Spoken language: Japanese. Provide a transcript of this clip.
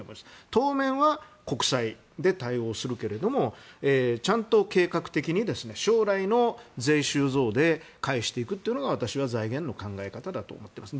当面は国債で対応するけどもちゃんと、計画的に将来の税収増で返していくことが私は財源の考え方だと思っています。